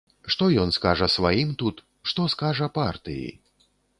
Што ён скажа сваім тут, што скажа партыі?